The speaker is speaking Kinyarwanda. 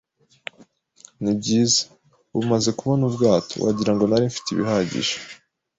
Nibyiza, ubu maze kubona ubwato, wagira ngo nari mfite ibihagije